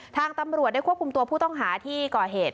ทางตำรวจได้ควบคุมตัวผู้ต้องหาที่ก่อเหตุ